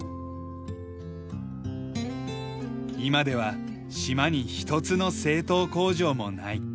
今では島に一つの製糖工場もない。